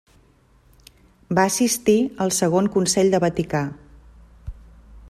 Va assistir al Segon Consell de Vaticà.